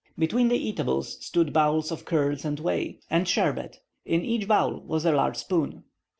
Between the eatables stood bowls of curds and whey, and sherbet: in each bowl was a large spoon.